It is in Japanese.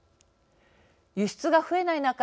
輸出が増えない中